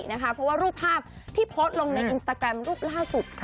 เพราะว่ารูปภาพที่โพสต์ลงในอินสตาแกรมรูปล่าสุด